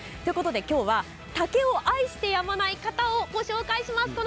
今日は、竹を愛してやまない方をご紹介します。